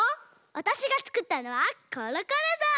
わたしがつくったのはコロコロぞう！